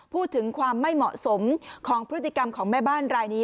พูดถึงความไม่เหมาะสมของพฤติกรรมของแม่บ้านรายนี้